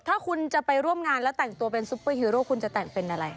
ถ้าคุณจะไปร่วมงานแล้วแต่งตัวเป็นซุปเปอร์ฮีโร่คุณจะแต่งเป็นอะไร